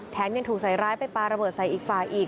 ยังถูกใส่ร้ายไปปลาระเบิดใส่อีกฝ่ายอีก